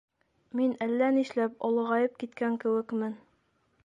Мин әллә нишләп олоғайып киткән кеүекмен.